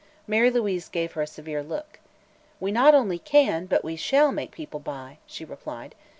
Mary Louise gave her a severe look. "We not only can, but we shall make people buy," she replied.